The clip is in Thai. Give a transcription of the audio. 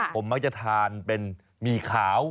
ผมมักจะทานเป็นหมี่ขาว